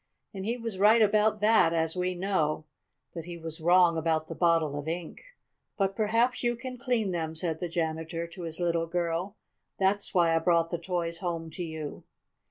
And he was right about that, as we know, but he was wrong about the bottle of ink. "But perhaps you can clean them," said the janitor to his little girl. "That's why I brought the toys home to you."